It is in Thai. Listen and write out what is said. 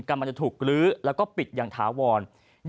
กำลังจะถูกลื้อแล้วก็ปิดอย่างถาวร